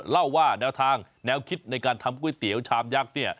เล่าว่าแนวทางแนวคิดในการทำก๋วยเตี๋ยวชามยักษ์เนี่ย